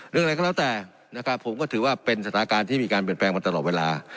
อะไรก็แล้วแต่นะครับผมก็ถือว่าเป็นสถานการณ์ที่มีการเปลี่ยนแปลงมาตลอดเวลา